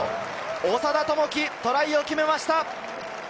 長田智希、トライを決めました。